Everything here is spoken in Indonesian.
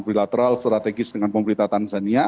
bilateral strategis dengan pemberita tanzania